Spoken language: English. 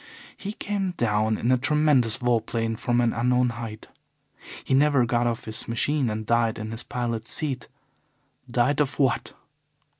He came down in a tremendous vol plane from an unknown height. He never got off his machine and died in his pilot's seat. Died of what?